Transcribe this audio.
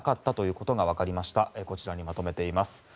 こちらにまとめています。